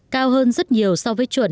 cao hơn rất nhiều so với chuẩn